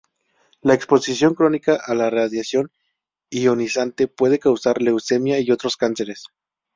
La exposición crónica a la radiación ionizante puede causar leucemia y otros cánceres.